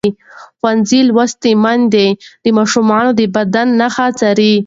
ښوونځې لوستې میندې د ماشومانو د بدن نښې څاري.